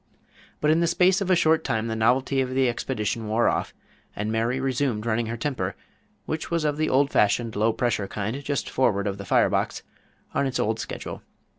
But in the space of a short time, the novelty of the expedition wore off, and Mary resumed running her temper which was of the old fashioned, low pressure kind, just forward of the fire box on its old schedule.